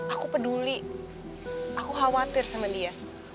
aku peduli aku khawatir sama dia